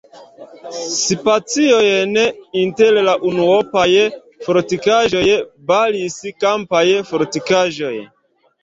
Spacojn inter la unuopaj fortikaĵoj baris kampaj fortikaĵoj.